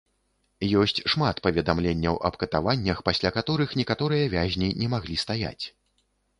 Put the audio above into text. Ёсць шмат паведамленняў аб катаваннях, пасля каторых некаторыя вязні не маглі стаяць.